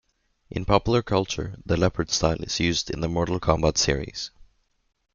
In popular culture the Leopard style is used in the Mortal Kombat series.